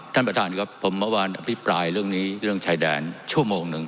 ท่านประธานครับผมเมื่อวานอภิปรายเรื่องนี้เรื่องชายแดนชั่วโมงหนึ่ง